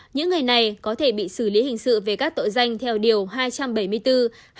những người này có thể bị xử lý hình sự về các tội danh theo điều hai trăm bảy mươi bốn hai trăm bảy mươi năm